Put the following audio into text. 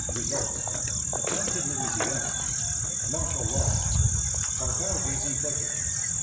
Results. Attempt in Louisiana. Martial Law. Barbarities inflicted.